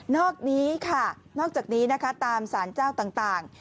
นอกจากนี้นะคะตามสารเจ้าต่าง